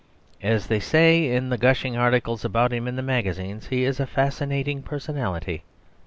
As they say in the gushing articles about him in the magazines, he is a fascinating personality.